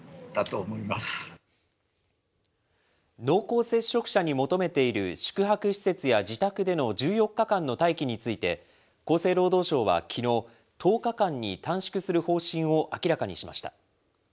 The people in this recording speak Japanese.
濃厚接触者に求めている宿泊施設や自宅での１４日間の待機について、厚生労働省はきのう、１０日間に短縮する方針を明らかにしました。